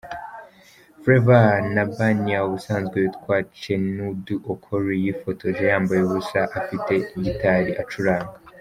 Flavour N’abania ubusanzwe witwa Chinedu Okoli yifotoje yambaye ubusa, afite gitari acuranga.